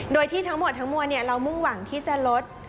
โดยที่ทั้งหมดทั้งมวลเรามุ่งหวังที่จะลด